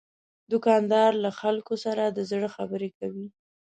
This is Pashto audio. دوکاندار له خلکو سره د زړه خبرې کوي.